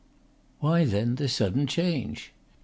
Why then the sudden change?